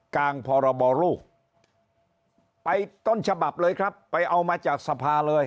งพรบลูกไปต้นฉบับเลยครับไปเอามาจากสภาเลย